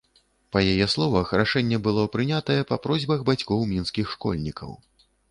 Па яе словах, рашэнне было прынятае па просьбах бацькоў мінскіх школьнікаў.